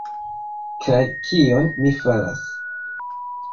Kaj... kion mi faras?